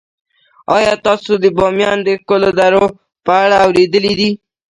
آیا تاسو د بامیان د ښکلو درو په اړه اوریدلي دي؟